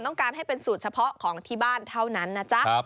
ต้องการให้เป็นสูตรเฉพาะของที่บ้านเท่านั้นนะจ๊ะ